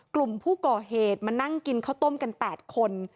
กลุ่มผู้ก่อเหตุมานั่งกินข้าวต้มกัน๘คน